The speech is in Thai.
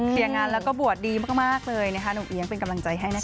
เสียงานแล้วก็บวชดีมากเลยนะคะหนุ่มเอี๊ยงเป็นกำลังใจให้นะคะ